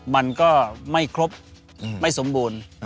มันก็ไม่ครบไม่สมบูรณ์